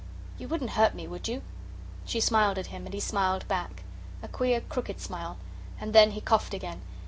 "You wouldn't hurt me, would you?" She smiled at him, and he smiled back, a queer crooked smile. And then he coughed again.